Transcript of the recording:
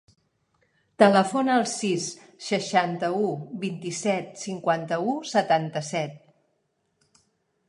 Telefona al sis, seixanta-u, vint-i-set, cinquanta-u, setanta-set.